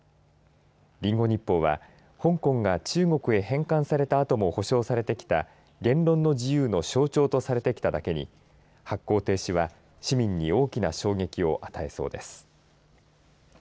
リンゴ日報は香港が中国に返還されたあとも保障されてきた言論の自由の象徴とされてきただけに発行停止は市民に大きな衝撃を与えそうです。